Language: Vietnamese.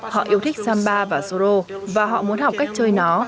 họ yêu thích samba và sô lô và họ muốn học cách chơi nó